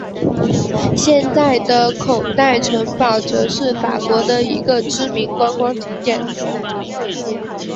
现在的孔代城堡则是法国的一个知名的观光景点。